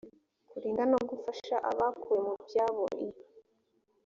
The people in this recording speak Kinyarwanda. kurinda no gufasha abakuwe mu byabo i